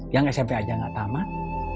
yang smp aja gak tamat